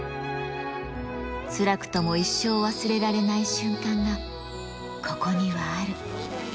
つらくとも一生忘れられない瞬間がここにはある。